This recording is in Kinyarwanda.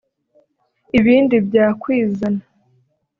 ibindi byakwizana